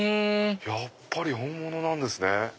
やっぱり本物なんですね。